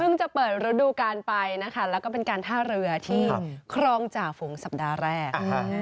จะเปิดฤดูการไปนะคะแล้วก็เป็นการท่าเรือที่ครองจ่าฝูงสัปดาห์แรก